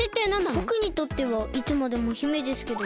ぼくにとってはいつまでも姫ですけど。